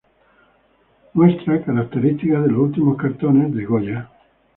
Muestra características de los últimos cartones de Goya.